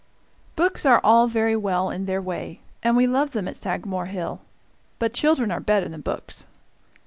Books are all very well in their way, and we love them at Sagamore Hill; but children are better than books.